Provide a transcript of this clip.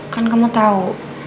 kan kamu tau